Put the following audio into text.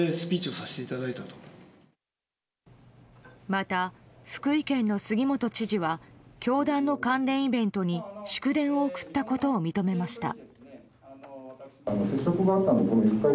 また、福井県の杉本知事は教団の関連イベントに祝電を送ったことを認めました。